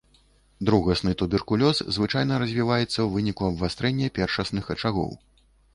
Другасны туберкулёз звычайна развіваецца ў выніку абвастрэння першасных ачагоў.